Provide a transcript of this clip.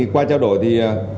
qua trao đổi